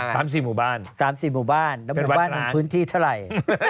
สามสี่หมู่บ้านสามสี่หมู่บ้านแล้วหมู่บ้านพื้นที่เท่าไหร่